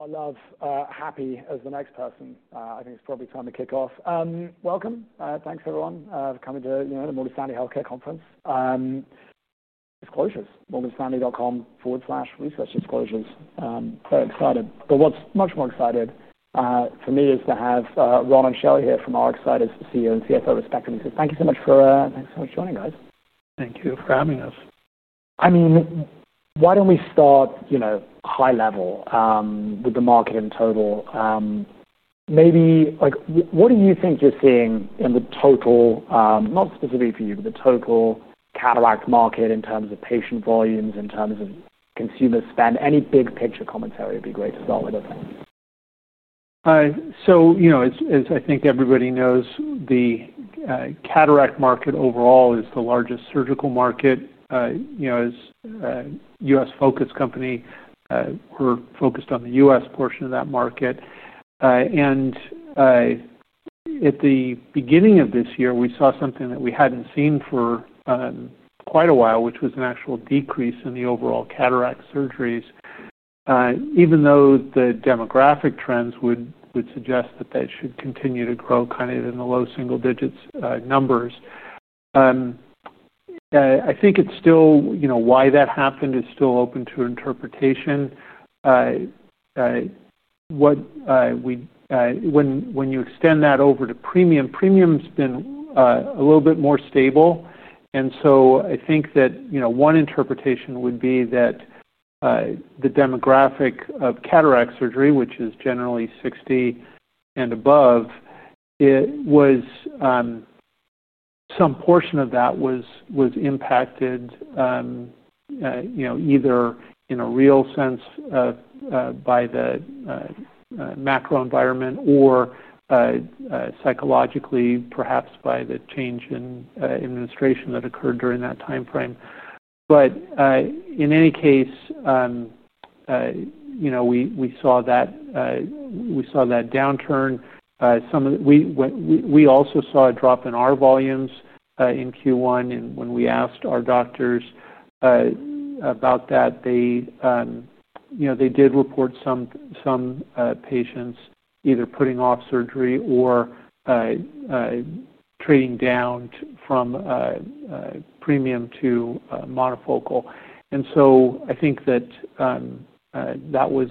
I love happy as the next person. I think it's probably time to kick off. Welcome. Thanks, everyone, for coming to the Morgan Stanley Healthcare Conference. Disclosures, MorganStanley.com/researchdisclosures. Very excited. What's much more exciting for me is to have Ron and Shelley here from RxSight as the CEO and CFO respectively. Thank you so much for joining, guys. Thank you for having us. Why don't we start high level with the market in total? Maybe, what do you think you're seeing in the total, not specifically for you, but the total cataract market in terms of patient volumes, in terms of consumer spend? Any big picture commentary would be great as well. As I think everybody knows, the cataract market overall is the largest surgical market. As a U.S.-focused company, we're focused on the U.S. portion of that market. At the beginning of this year, we saw something that we hadn't seen for quite a while, which was an actual decrease in the overall cataract surgeries, even though the demographic trends would suggest that they should continue to grow kind of in the low single-digit numbers. I think it's still, you know, why that happened is still open to interpretation. When you extend that over to premium, premium's been a little bit more stable. I think that one interpretation would be that the demographic of cataract surgery, which is generally 60 and above, some portion of that was impacted either in a real sense by the macro environment or psychologically, perhaps by the change in administration that occurred during that timeframe. In any case, we saw that downturn. We also saw a drop in our volumes in Q1. When we asked our doctors about that, they did report some patients either putting off surgery or trading down from premium to monofocal. I think that was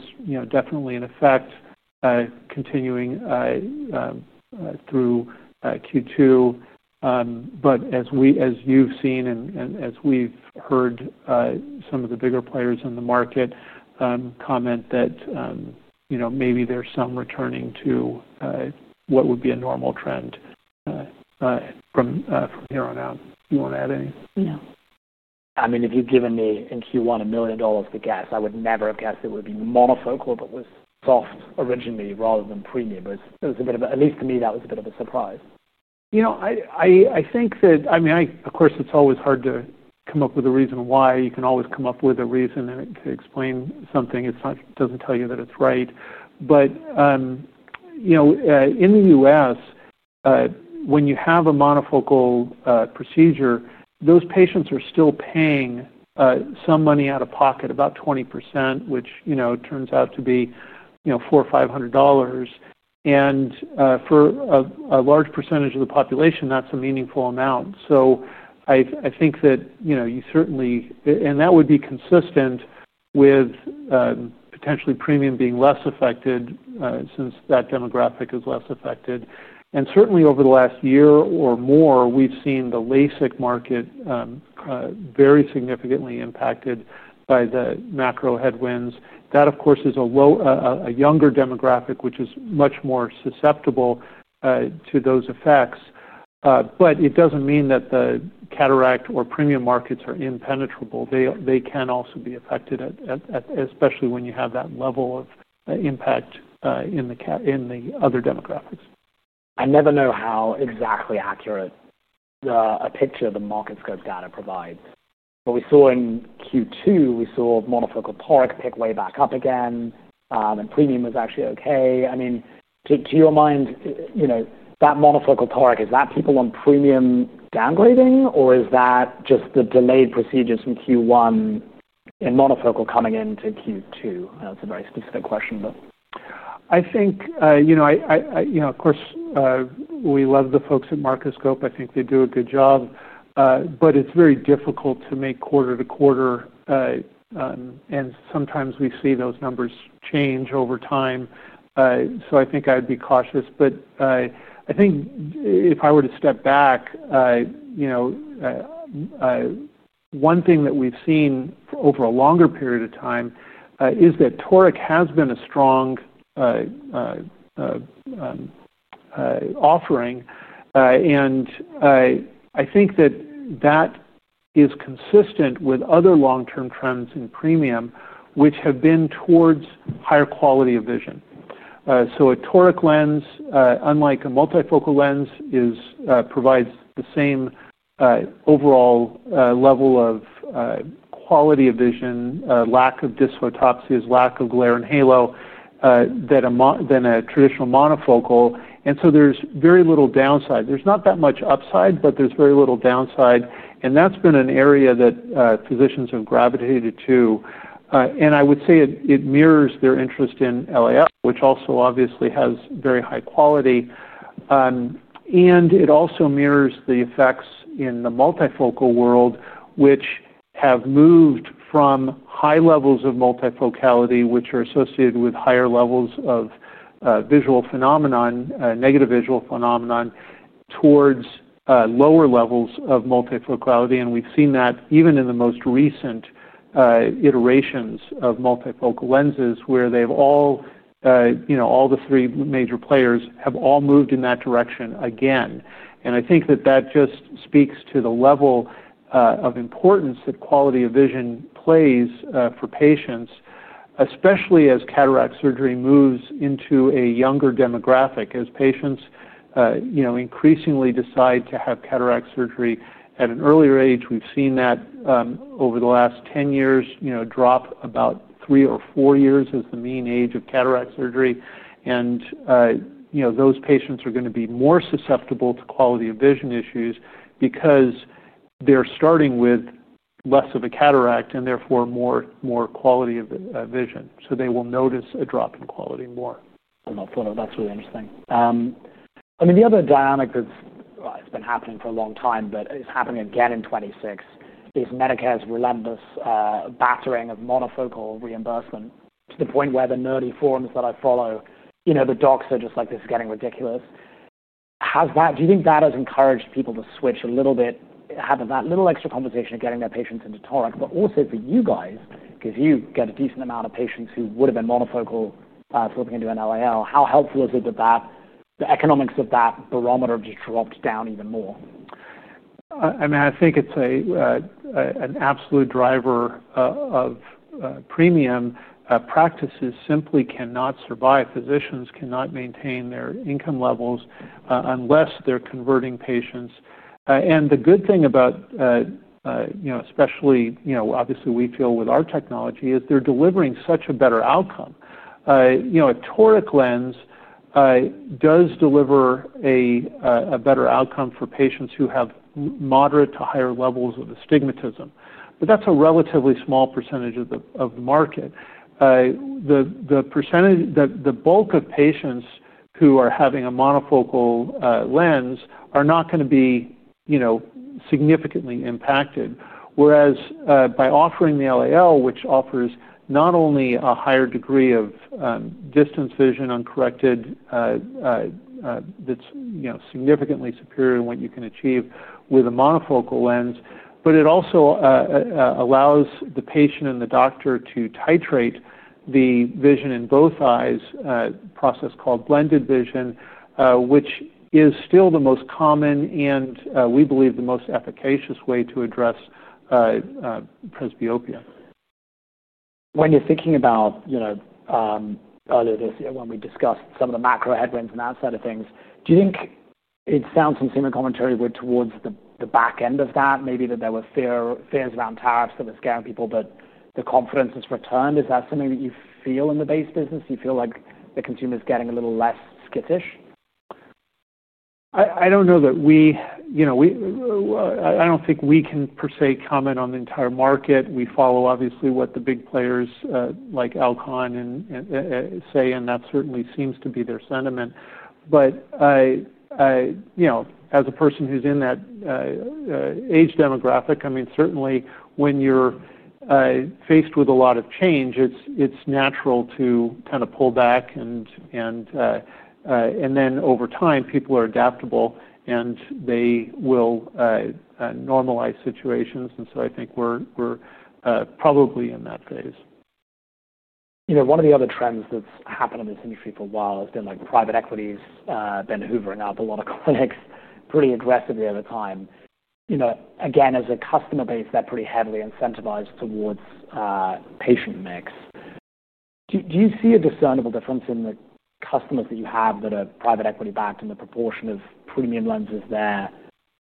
definitely an effect continuing through Q2. As you've seen and as we've heard some of the bigger players in the market comment, maybe there's some returning to what would be a normal trend from here on out. Do you want to add anything? Yeah. I mean, if you'd given me in Q1 $1 million to guess, I would never have guessed it would be monofocal, but was soft originally rather than premium. It was a bit of, at least to me, that was a bit of a surprise. I think that, I mean, of course, it's always hard to come up with a reason why. You can always come up with a reason to explain something. It doesn't tell you that it's right. In the U.S., when you have a monofocal procedure, those patients are still paying some money out of pocket, about 20%, which turns out to be $400 or $500. For a large percentage of the population, that's a meaningful amount. I think that certainly, and that would be consistent with potentially premium being less affected since that demographic is less affected. Certainly, over the last year or more, we've seen the LASIK market very significantly impacted by the macroeconomic headwinds. That, of course, is a younger demographic, which is much more susceptible to those effects. It doesn't mean that the cataract or premium markets are impenetrable. They can also be affected, especially when you have that level of impact in the other demographics. I never know how exactly accurate a picture the market scope data provides. We saw in Q2, we saw monofocal toric pick way back up again, and premium was actually okay. I mean, to your mind, you know, that monofocal toric, is that people on premium downgrading, or is that just the delayed procedures from Q1 in monofocal coming into Q2? That's a very specific question. I think, of course, we love the folks at Marcus Scope. I think they do a good job. It is very difficult to make quarter to quarter, and sometimes we see those numbers change over time. I think I'd be cautious. If I were to step back, one thing that we've seen over a longer period of time is that toric has been a strong offering. I think that is consistent with other long-term trends in premium, which have been towards higher quality of vision. A toric lens, unlike a multifocal lens, provides the same overall level of quality of vision, lack of dysphotopsias, lack of glare and halo than a traditional monofocal. There is very little downside. There's not that much upside, but there's very little downside. That's been an area that physicians have gravitated to. I would say it mirrors their interest in LAL, which also obviously has very high quality. It also mirrors the effects in the multifocal world, which have moved from high levels of multifocality, which are associated with higher levels of visual phenomenon, negative visual phenomenon, towards lower levels of multifocality. We've seen that even in the most recent iterations of multifocal lenses, where all the three major players have all moved in that direction again. I think that just speaks to the level of importance that quality of vision plays for patients, especially as cataract surgery moves into a younger demographic, as patients increasingly decide to have cataract surgery at an earlier age. We've seen that over the last 10 years, drop about three or four years as the mean age of cataract surgery. Those patients are going to be more susceptible to quality of vision issues because they're starting with less of a cataract and therefore more quality of vision. They will notice a drop in quality more. That's really interesting. I mean, the other dynamic that's been happening for a long time, but it's happening again in 2026, is Medicare's relentless battering of monofocal reimbursement to the point where the nerdy forums that I follow, you know, the docs are just like, this is getting ridiculous. Do you think that has encouraged people to switch a little bit, have that little extra conversation of getting their patients into toric, but also for you guys, because you get a decent amount of patients who would have been monofocal flipping into an LAL? How helpful is it that the economics of that barometer just dropped down even more? I mean, I think it's an absolute driver of premium. Practices simply cannot survive. Physicians cannot maintain their income levels unless they're converting patients. The good thing about, you know, especially, you know, obviously we feel with our technology is they're delivering such a better outcome. A toric lens does deliver a better outcome for patients who have moderate to higher levels of astigmatism. That's a relatively small % of the market. The % that the bulk of patients who are having a monofocal lens are not going to be, you know, significantly impacted. Whereas by offering the Light Adjustable Lens, which offers not only a higher degree of distance vision uncorrected, that's, you know, significantly superior than what you can achieve with a monofocal lens, it also allows the patient and the doctor to titrate the vision in both eyes, a process called blended vision, which is still the most common and we believe the most efficacious way to address presbyopia. When you're thinking about earlier this year, when we discussed some of the macroeconomic headwinds and that side of things, do you think it sounds like consumer commentary went towards the back end of that, maybe that there were fears around tariffs that were scaring people, but the confidence has returned? Is that something that you feel in the base business? Do you feel like the consumer is getting a little less skittish? I don't know that we, you know, I don't think we can per se comment on the entire market. We follow obviously what the big players like Alcon say, and that certainly seems to be their sentiment. As a person who's in that age demographic, I mean, certainly when you're faced with a lot of change, it's natural to kind of pull back. Over time, people are adaptable and they will normalize situations. I think we're probably in that phase. You know, one of the other trends that's happened in this industry for a while has been like the private equity-backed ophthalmology practices have been hoovering up a lot of clinics pretty aggressively over time. You know, again, as a customer base, they're pretty heavily incentivized towards patient mix. Do you see a discernible difference in the customers that you have that are private equity-backed and the proportion of premium intraocular lenses there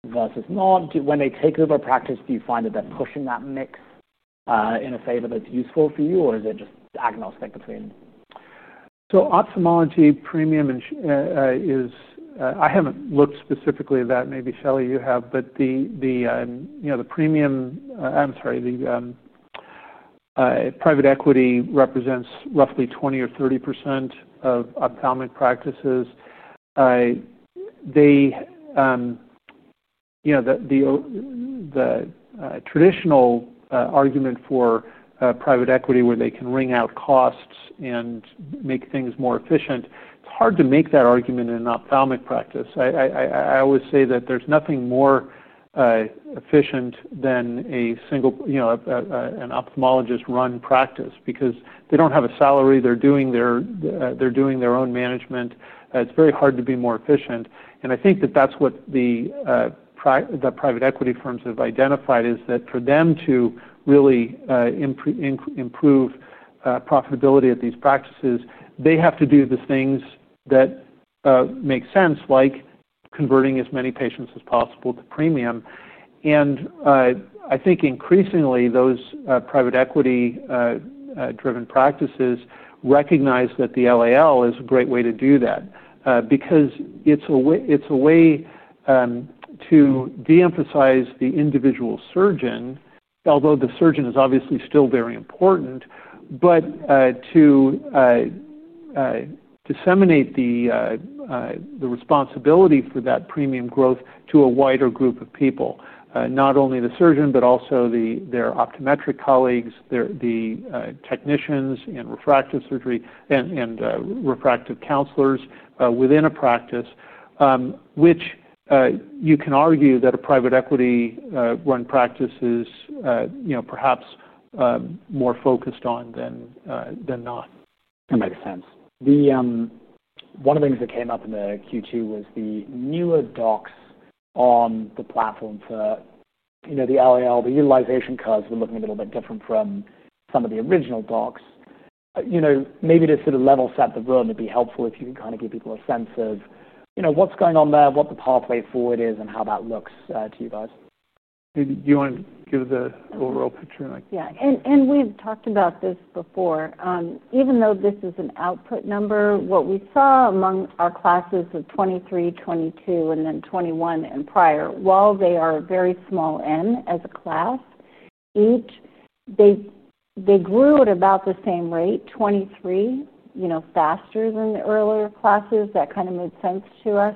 versus not? When they take over a practice, do you find that they're pushing that mix in a favor that's useful for you, or is it just agnostic between? Ophthalmology premium is, I haven't looked specifically at that. Maybe Shelley, you have, but the premium, I'm sorry, the private equity represents roughly 20% or 30% of ophthalmic practices. The traditional argument for private equity where they can ring out costs and make things more efficient, it's hard to make that argument in an ophthalmic practice. I always say that there's nothing more efficient than a single, you know, an ophthalmologist-run practice because they don't have a salary. They're doing their own management. It's very hard to be more efficient. I think that that's what the private equity firms have identified is that for them to really improve profitability at these practices, they have to do the things that make sense, like converting as many patients as possible to premium. I think increasingly, those private equity-driven practices recognize that the Light Adjustable Lens is a great way to do that because it's a way to deemphasize the individual surgeon, although the surgeon is obviously still very important, but to disseminate the responsibility for that premium growth to a wider group of people, not only the surgeon, but also their optometric colleagues, the technicians, and refractive surgery, and refractive counselors within a practice, which you can argue that a private equity-run practice is, you know, perhaps more focused on than not. That makes sense. One of the things that came up in the Q2 was the newer docs on the platform for, you know, the Light Adjustable Lens. The utilization curves were looking a little bit different from some of the original docs. Maybe just to sort of level set the room, it'd be helpful if you could kind of give people a sense of what's going on there, what the pathway forward is, and how that looks to you guys. Do you want to give the overall picture? Yeah. We've talked about this before. Even though this is an output number, what we saw among our classes of 2023, 2022, and then 2021 and prior, while they are a very small M as a class, they grew at about the same rate, 2023, you know, faster than the earlier classes. That kind of made sense to us.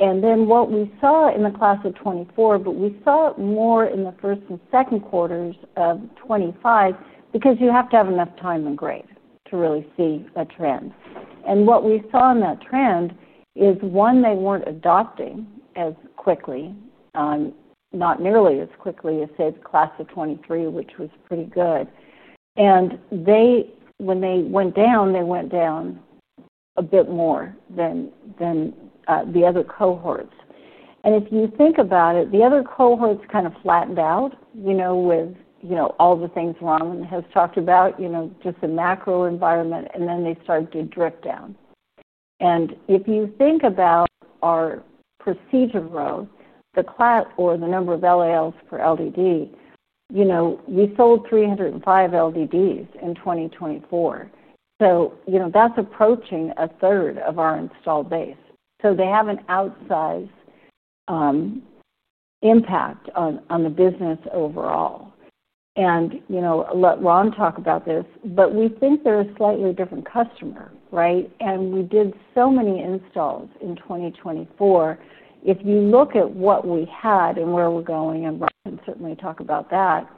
What we saw in the class of 2024, we saw it more in the first and second quarters of 2025 because you have to have enough time in grade to really see a trend. What we saw in that trend is, one, they weren't adopting as quickly, not nearly as quickly as, say, the class of 2023, which was pretty good. When they went down, they went down a bit more than the other cohorts. If you think about it, the other cohorts kind of flattened out, with all the things Ron has talked about, just the macro environment, and then they started to drift down. If you think about our procedure growth, the class or the number of Light Adjustable Lenses for Light Delivery Device, we sold 305 Light Delivery Devices in 2024. That's approaching a third of our install base. They have an outsized impact on the business overall. Let Ron talk about this, but we think they're a slightly different customer, right? We did so many installs in 2024. If you look at what we had and where we're going, and Ron can certainly talk about that,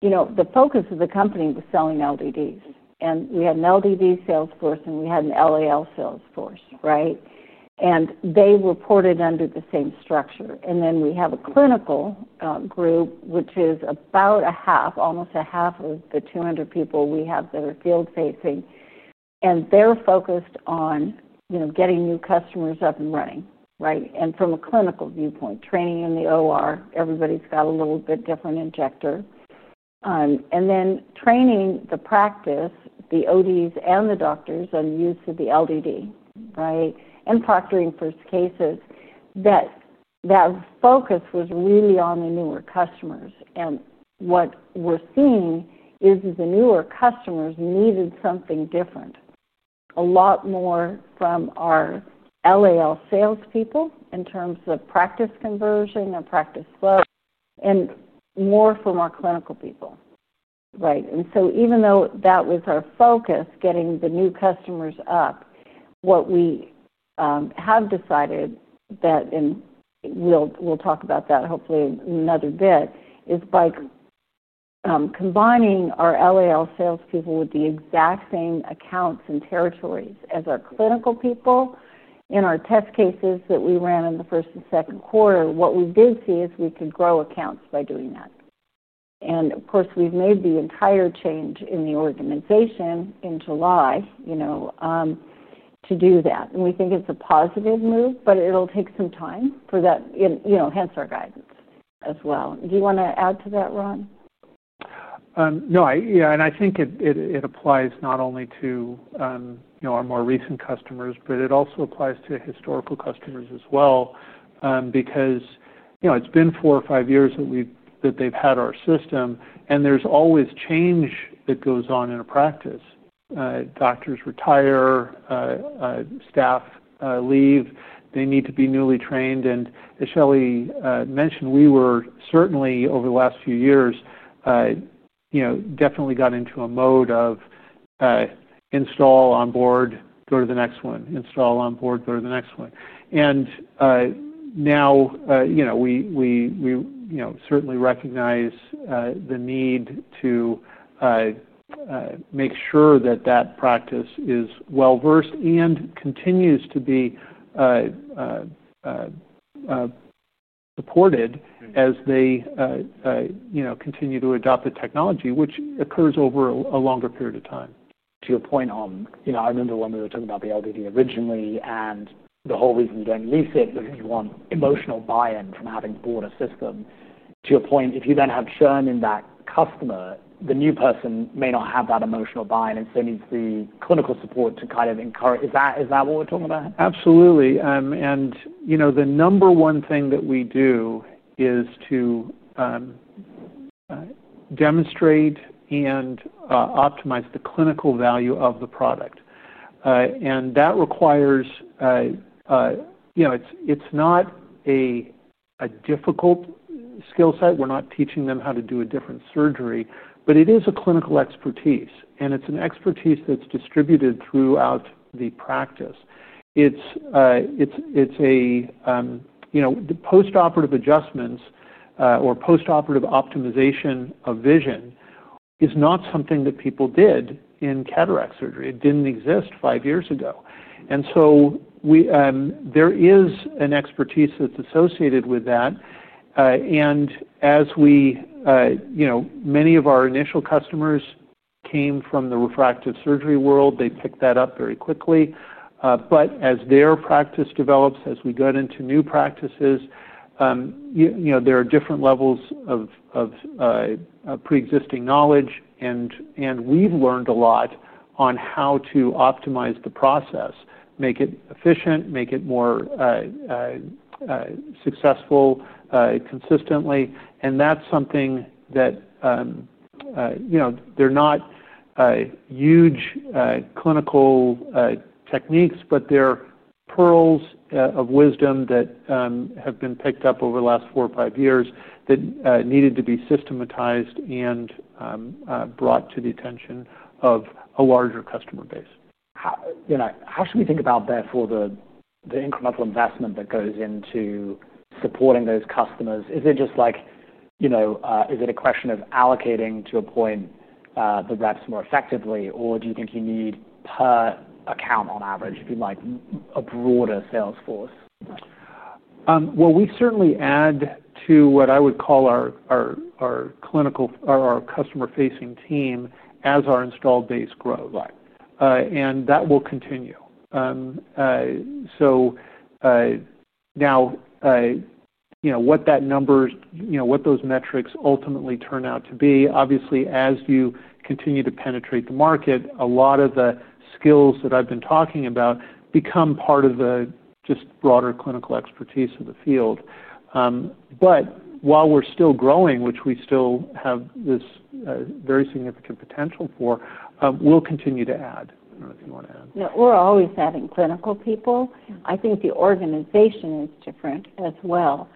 the focus of the company was selling Light Delivery Devices. We had a Light Delivery Device sales force, and we had a Light Adjustable Lens sales force, right? They reported under the same structure. We have a clinical group, which is about a half, almost a half of the 200 people we have that are field-facing. They're focused on getting new customers up and running, right? From a clinical viewpoint, training in the OR, everybody's got a little bit different injector. Then training the practice, the ODs, and the doctors on the use of the Light Delivery Device, right? Proctoring for cases. That focus was really on the newer customers. What we're seeing is that the newer customers needed something different. A lot more from our Light Adjustable Lens salespeople in terms of practice conversion or practice flow, and more from our clinical people, right? Even though that was our focus, getting the new customers up, what we have decided, and we'll talk about that hopefully in another bit, is by combining our LAL salespeople with the exact same accounts and territories as our clinical people in our test cases that we ran in the first and second quarter. What we did see is we could grow accounts by doing that. We made the entire change in the organization in July to do that. We think it's a positive move, but it'll take some time for that, hence our guidance as well. Do you want to add to that, Ron? No, yeah, and I think it applies not only to, you know, our more recent customers, but it also applies to historical customers as well. Because, you know, it's been four or five years that they've had our system, and there's always change that goes on in a practice. Doctors retire, staff leave, they need to be newly trained. As Shelley mentioned, we were certainly over the last few years, definitely got into a mode of install, onboard, go to the next one, install, onboard, go to the next one. Now, we certainly recognize the need to make sure that that practice is well-versed and continues to be supported as they continue to adopt the technology, which occurs over a longer period of time. To your point, you know, I remember when we were talking about the LED originally, and the whole reason you don't lease it is that you want emotional buy-in from having bought a system. To your point, if you then have churn in that customer, the new person may not have that emotional buy-in. They need the clinical support to kind of encourage. Is that what we're talking about? Absolutely. The number one thing that we do is to demonstrate and optimize the clinical value of the product. That requires, you know, it's not a difficult skill set. We're not teaching them how to do a different surgery, but it is a clinical expertise. It's an expertise that's distributed throughout the practice. The post-operative adjustments or post-operative optimization of vision is not something that people did in cataract surgery. It didn't exist five years ago. There is an expertise that's associated with that. Many of our initial customers came from the refractive surgery world; they picked that up very quickly. As their practice develops, as we get into new practices, there are different levels of pre-existing knowledge. We've learned a lot on how to optimize the process, make it efficient, make it more successful, consistently. That's something that, you know, they're not huge clinical techniques, but they're pearls of wisdom that have been picked up over the last four or five years that needed to be systematized and brought to the attention of a larger customer base. How should we think about, therefore, the incremental investment that goes into supporting those customers? Is it just like, you know, is it a question of allocating, to a point, the reps more effectively, or do you think you need, per account on average if you like, a broader sales force? We certainly add to what I would call our clinical or our customer-facing team as our install base grows, and that will continue. Now, you know, what that number, you know, what those metrics ultimately turn out to be, obviously, as you continue to penetrate the market, a lot of the skills that I've been talking about become part of the just broader clinical expertise of the field. While we're still growing, which we still have this very significant potential for, we'll continue to add. I don't know if you want to add. No, we're always adding clinical people. I think the organization is different as well.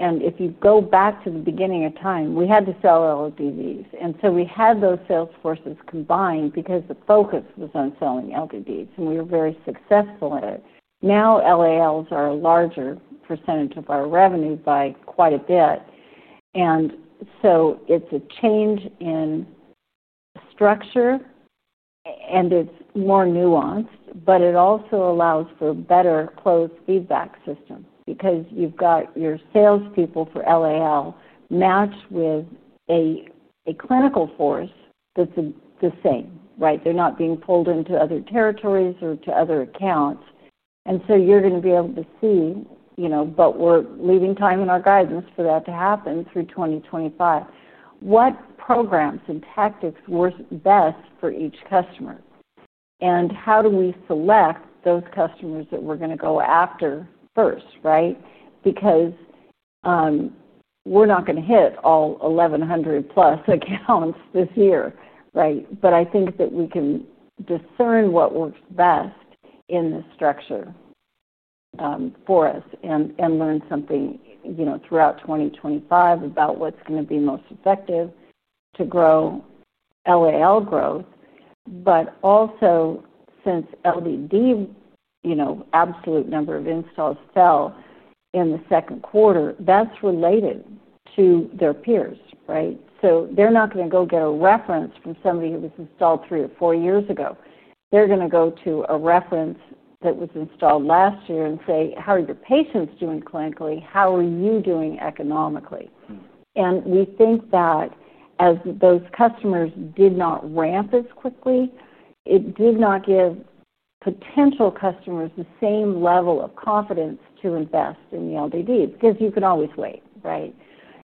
If you go back to the beginning of time, we had to sell LEDs, and we had those sales forces combined because the focus was on selling LEDs. We were very successful at it. Now LALs are a larger percentage of our revenue by quite a bit. It is a change in structure, and it's more nuanced, but it also allows for a better closed feedback system because you've got your salespeople for LAL matched with a clinical force that's the same, right? They're not being pulled into other territories or to other accounts. You're going to be able to see, you know, we're leaving time in our guidance for that to happen through 2025. What programs and tactics work best for each customer? How do we select those customers that we're going to go after first, right? We're not going to hit all 1,100+ accounts this year, right? I think that we can discern what works best in this structure for us and learn something, you know, throughout 2025 about what's going to be most effective to grow LAL growth. Also, since LED absolute number of installs fell in the second quarter, that's related to their peers, right? They're not going to go get a reference from somebody who was installed three or four years ago. They're going to go to a reference that was installed last year and say, "How are your patients doing clinically? How are you doing economically?" We think that as those customers did not ramp as quickly, it did not give potential customers the same level of confidence to invest in the LED because you can always wait, right?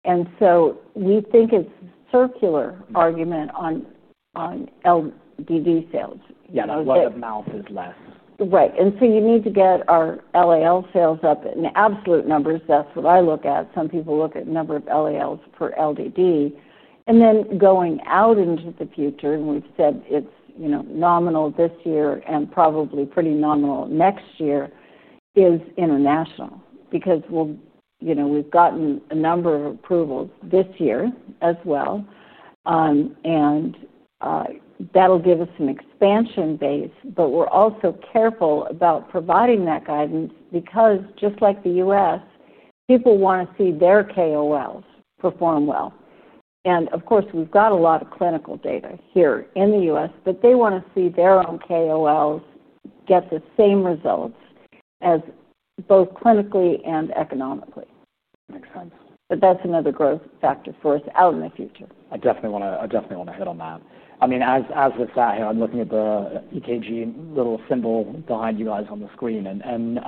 We think it's a circular argument on LED sales. Yeah, that was like a mouthless. Right. You need to get our LAL sales up in absolute numbers. That's what I look at. Some people look at the number of LALs per LED. Going out into the future, we've said it's nominal this year and probably pretty nominal next year is international because we've gotten a number of approvals this year as well. That'll give us an expansion base, but we're also careful about providing that guidance because just like the U.S., people want to see their KOLs perform well. Of course, we've got a lot of clinical data here in the U.S., but they want to see their own KOLs get the same results both clinically and economically. Makes sense. That is another growth factor for us out in the future. I definitely want to hit on that. I mean, as we've sat here, I'm looking at the EKG little symbol behind you guys on the screen, and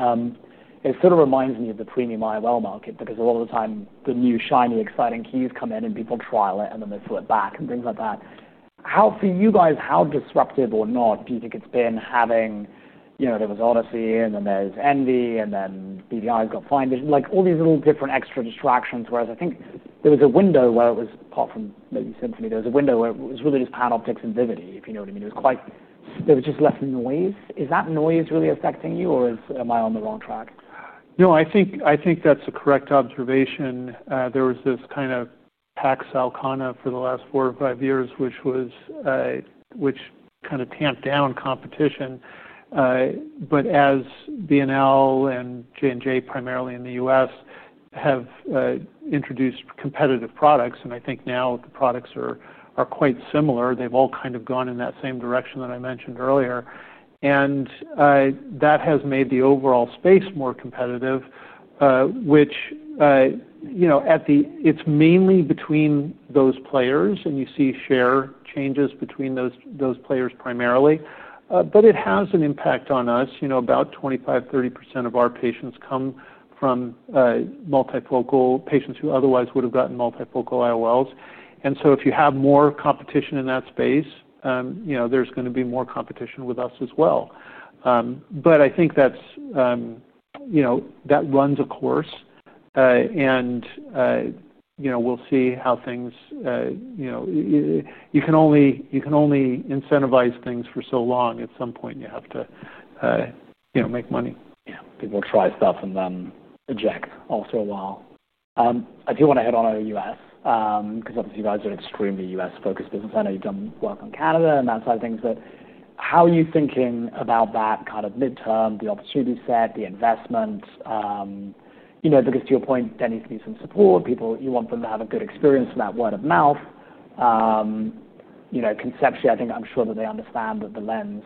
it sort of reminds me of the premium IOL market because a lot of the time, the new shiny, exciting keys come in and people trial it and then they flip back and things like that. How for you guys, how disruptive or not do you think it's been having, you know, there was Odyssey and then there's Envy and then BDI has got Finder, like all these little different extra distractions, whereas I think there was a window where it was, apart from maybe Symfony, there was a window where it was really just PanOptix and Vivity, if you know what I mean. It was quite, there was just less noise. Is that noise really affecting you or am I on the wrong track? No, I think that's a correct observation. There was this kind of tax alcana for the last four or five years, which kind of tamped down competition. As Bausch + Lomb and Johnson & Johnson, primarily in the U.S., have introduced competitive products, I think now the products are quite similar. They've all kind of gone in that same direction that I mentioned earlier. That has made the overall space more competitive, which, you know, it's mainly between those players, and you see share changes between those players primarily. It has an impact on us. About 25-30% of our patients come from multifocal patients who otherwise would have gotten multifocal IOLs. If you have more competition in that space, there's going to be more competition with us as well. I think that runs a course, and we'll see how things, you know, you can only incentivize things for so long. At some point, you have to make money. Yeah, people will try stuff and then eject after a while. I do want to hit on our U.S., because obviously you guys are an extremely U.S.-focused business. I know you've done work on Canada and that side of things, but how are you thinking about that kind of midterm, the opportunity set, the investment? You know, because to your point, there needs to be some support. People, you want them to have a good experience for that word of mouth. You know, conceptually, I think I'm sure that they understand that the lens,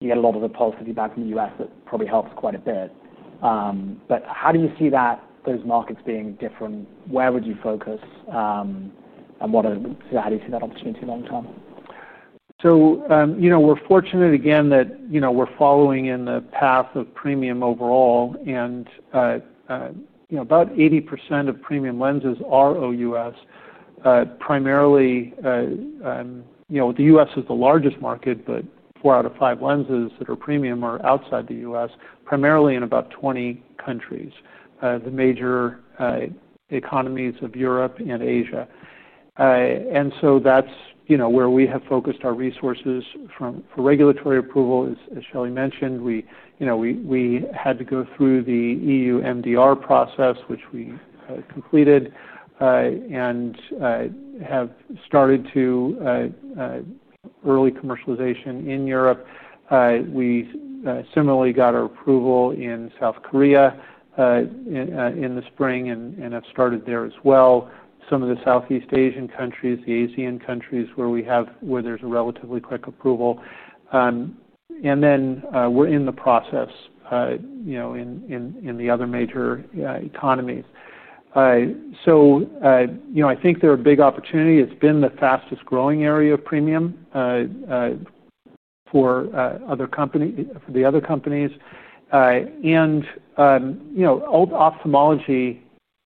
you get a lot of the positive feedback in the U.S. that probably helps quite a bit. How do you see that those markets being different? Where would you focus? What are the, how do you see that opportunity long-term? We're fortunate again that we're following in the path of premium overall. About 80% of premium lenses are OUS, primarily. The U.S. is the largest market, but four out of five lenses that are premium are outside the U.S., primarily in about 20 countries, the major economies of Europe and Asia. That's where we have focused our resources for regulatory approval, as Shelley mentioned. We had to go through the EU MDR process, which we completed, and have started early commercialization in Europe. We similarly got our approval in South Korea in the spring and have started there as well. Some of the Southeast Asian countries, the Asian countries where there's a relatively quick approval. We're in the process in the other major economies. I think there's a big opportunity. It's been the fastest growing area of premium for the other companies. Ophthalmology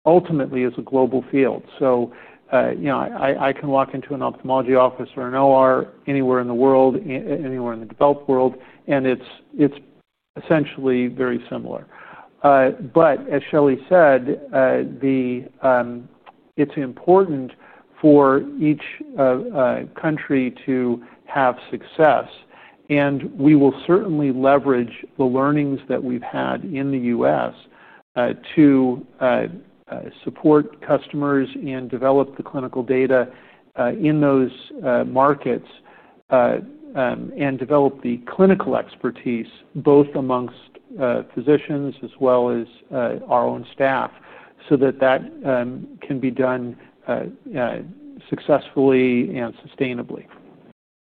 ultimately is a global field. I can walk into an ophthalmology office or an OR anywhere in the world, anywhere in the developed world, and it's essentially very similar. As Shelley said, it's important for each country to have success. We will certainly leverage the learnings that we've had in the U.S. to support customers and develop the clinical data in those markets, and develop the clinical expertise both amongst physicians as well as our own staff so that can be done successfully and sustainably.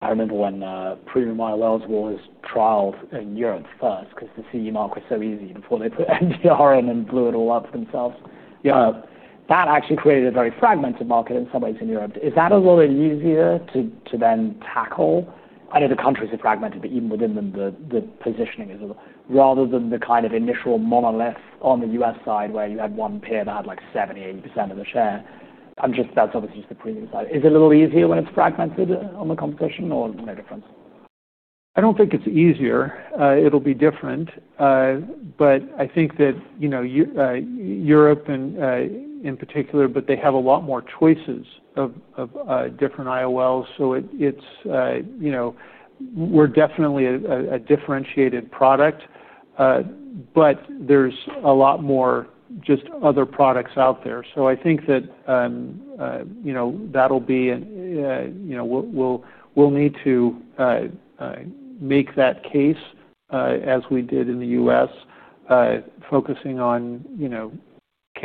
I remember when premium IOLs were all trialed in Europe first because the CE market was so easy before they put MDR in and blew it all up themselves in Europe. That actually created a very fragmented market in some ways in Europe. Is that a little bit easier to then tackle? I know the countries are fragmented, but even within them, the positioning is a little rather than the kind of initial monolith on the U.S. side where you had one peer that had like 70%, 80% of the share. I'm just, that's obviously just the premium side. Is it a little easier when it's fragmented on the competition or no different? I don't think it's easier. It'll be different, but I think that, you know, Europe in particular, they have a lot more choices of different IOLs. It's, you know, we're definitely a differentiated product, but there's a lot more just other products out there. I think that, you know, that'll be an, you know, we'll need to make that case as we did in the U.S., focusing on, you know,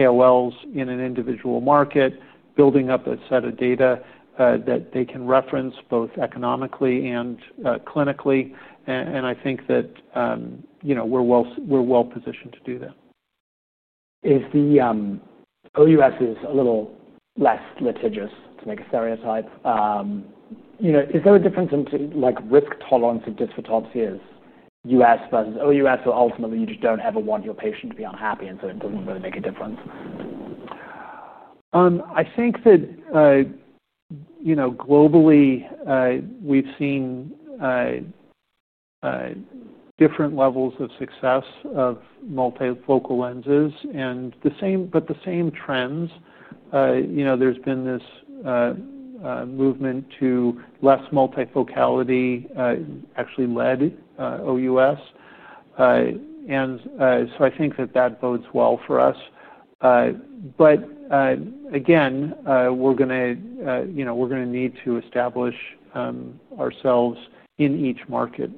KOLs in an individual market, building up a set of data that they can reference both economically and clinically. I think that, you know, we're well positioned to do that. Is the OUS a little less litigious, to make a stereotype? You know, is there a difference in risk tolerance of dysphotopsias, U.S. versus OUS, or ultimately you just don't ever want your patient to be unhappy and so it doesn't really make a difference? I think that, you know, globally, we've seen different levels of success of multifocal lenses. The same trends, you know, there's been this movement to less multifocality, actually led OUS. I think that that bodes well for us. Again, we're going to, you know, we're going to need to establish ourselves in each market.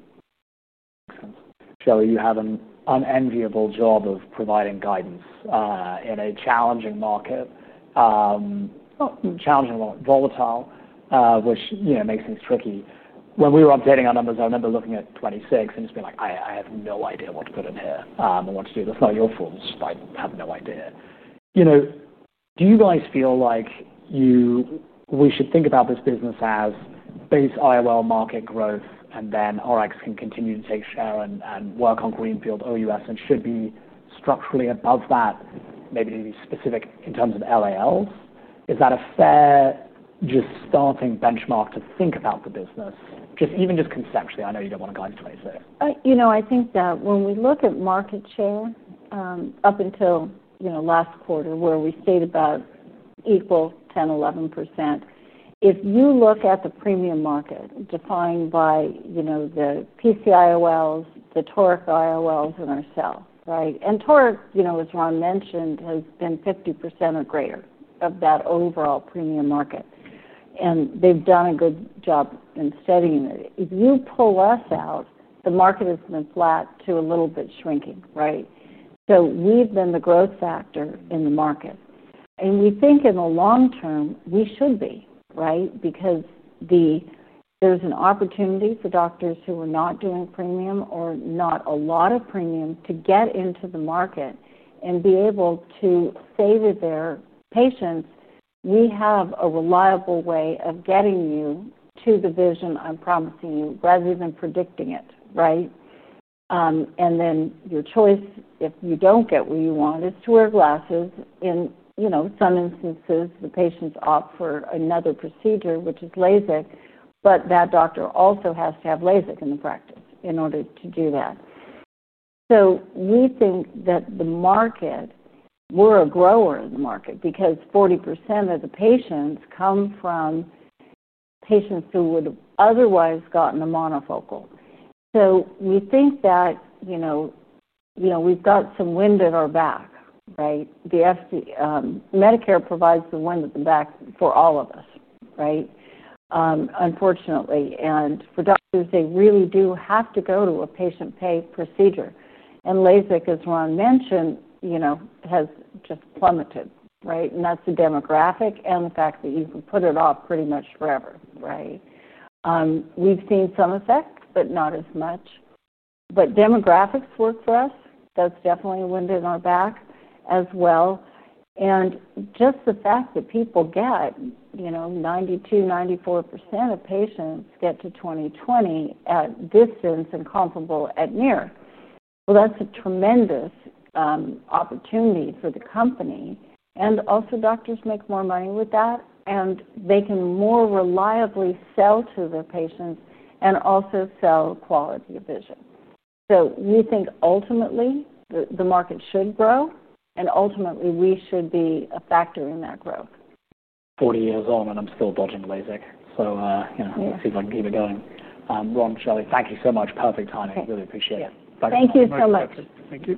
Shelley, you have an unenviable job of providing guidance in a challenging market, challenging a lot, volatile, which makes things tricky. When we were updating our numbers, I remember looking at 2026 and just being like, "I have no idea what to put in here. I want to do this." That's not your fault. I have no idea. Do you guys feel like we should think about this business as base intraocular lens market growth and then RxSight can continue to take share and work on Greenfield OUS and should be structurally above that, maybe to be specific in terms of Light Adjustable Lenses? Is that a fair just starting benchmark to think about the business? Just even just conceptually, I know you don't want to guide the way through. I think that when we look at market share, up until last quarter where we stayed about equal at 10%, 11%, if you look at the premium market defined by the premium IOLs, the toric IOLs, and our cell, right? Toric, as Ron mentioned, has been 50% or greater of that overall premium market. They have done a good job in studying it. If you pull us out, the market has been flat to a little bit shrinking, right? We have been the growth factor in the market. We think in the long term, we should be, right? There is an opportunity for doctors who are not doing premium or not a lot of premium to get into the market and be able to say to their patients, "We have a reliable way of getting you to the vision I'm promising you," rather than predicting it, right? Your choice, if you do not get what you want, is to wear glasses. In some instances, the patients opt for another procedure, which is LASIK, but that doctor also has to have LASIK in the practice in order to do that. We think that the market, we are a grower in the market because 40% of the patients come from patients who would have otherwise gotten a monofocal. We think that we have some wind at our back, right? Medicare provides the wind at the back for all of us, right? Unfortunately. For doctors, they really do have to go to a patient-pay procedure. LASIK, as Ron mentioned, has just plummeted, right? That is the demographic and the fact that you can put it off pretty much forever, right? We have seen some effects, but not as much. Demographics work for us. That is definitely a wind in our back as well. Just the fact that people get 92%, 94% of patients get to 20/20 at distance and comparable at near. That is a tremendous opportunity for the company. Also, doctors make more money with that, and they can more reliably sell to their patients and also sell quality of vision. Ultimately, the market should grow, and ultimately we should be a factor in that growth. 40 years on, and I'm still dodging LASIK. Let's see if I can keep it going. Ron, Shelley, thank you so much. Perfect timing. I really appreciate it. Thank you so much. Thank you.